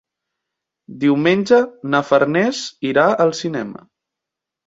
Diumenge na Farners irà al cinema.